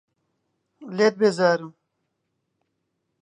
لێت بێزارم.